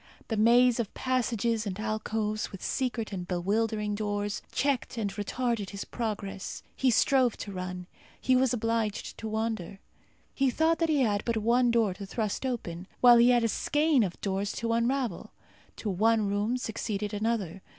The maze of passages and alcoves, with secret and bewildering doors, checked and retarded his progress. He strove to run; he was obliged to wander. He thought that he had but one door to thrust open, while he had a skein of doors to unravel. To one room succeeded another.